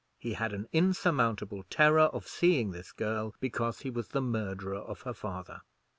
He had an insurmountable terror of seeing this girl, because he was the murderer of her father.